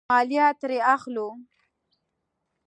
مالیه ترې اخلو.